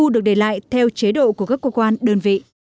được để lại theo chế độ của các cơ quan đơn vị